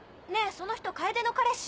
その人楓の彼氏？